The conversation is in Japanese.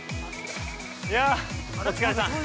◆いや、お疲れさん。